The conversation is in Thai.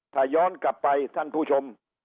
ถ้าย้อนกลับไปท่านผู้ชม